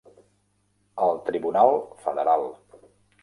El tribunal federal.